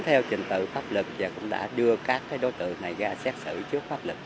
đối tượng pháp luật cũng đã đưa các đối tượng này ra xét xử trước pháp luật